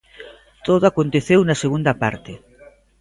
Todo aconteceu na segunda parte.